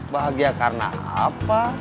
bahagia karena apa